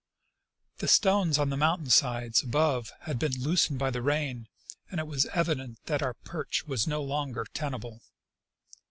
The stones on the mountain side above had been loosened by the rain, and it was evident that our perch was no longer tenable.